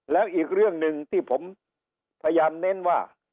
แล้วอีกเรื่องหนึ่งที่ผมพยายามเน้นว่า